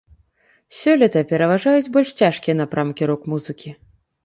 Сёлета пераважаюць больш цяжкія напрамкі рок-музыкі.